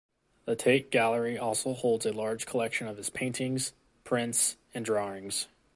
The Tate Gallery also holds a large collection of his paintings, prints and drawings.